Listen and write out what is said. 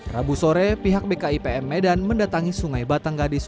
rabu sore pihak bkipm medan mendatangi sungai batang gadis